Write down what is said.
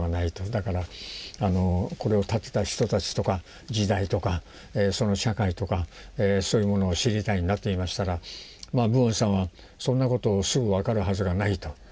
だからこれを建てた人たちとか時代とかその社会とかそういうものを知りたいんだと言いましたらプオンさんはそんなことすぐ分かるはずがないと。